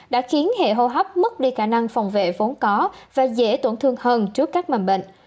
đã khiến hệ hô hấp mất đi khả năng phòng vệ vốn có và dễ tổn thương hơn trước các mầm bệnh